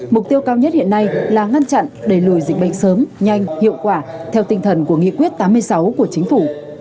mục tiêu cao nhất hiện nay là ngăn chặn đẩy lùi dịch bệnh sớm nhanh hiệu quả theo tinh thần của nghị quyết tám mươi sáu của chính phủ